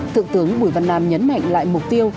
thượng tướng bùi văn nam nhấn mạnh lại mục tiêu